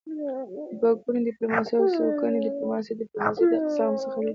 دوه ګوني ډيپلوماسي او څوګوني ډيپلوماسي د ډيپلوماسی د اقسامو څخه دي.